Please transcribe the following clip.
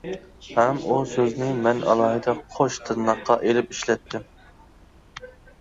ھەم ئۇ سۆزنى مەن ئالاھىدە قوش تىرناققا ئېلىپ ئىشلەتتىم.